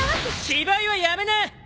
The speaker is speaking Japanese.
芝居はやめな！